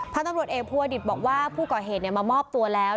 ตำรวจเอกภัวดิตบอกว่าผู้ก่อเหตุมามอบตัวแล้ว